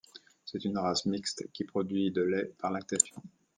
C'est une race mixte qui produit de lait par lactation.